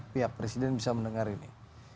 pihak presiden bisa mendengar ini